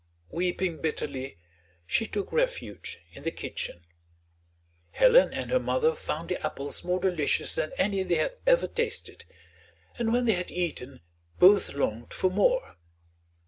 Weeping bitterly, she took refuge in the kitchen. Helen and her mother found the apples more delicious than any they had ever tasted, and when they had eaten both longed for more.